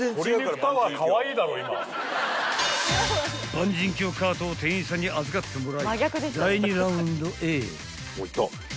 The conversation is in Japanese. ［万人橋カートを店員さんに預かってもらい第２ラウンドへ］